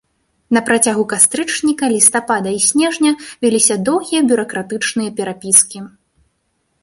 На працягу кастрычніка, лістапада і снежня вяліся доўгія бюракратычныя перапіскі.